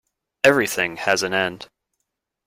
Everything has an end.